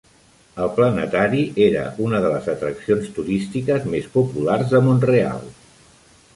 El Planetari era una de les atraccions turístiques més populars de Mont-real.